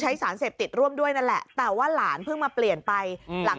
สารเสพติดร่วมด้วยนั่นแหละแต่ว่าหลานเพิ่งมาเปลี่ยนไปหลัง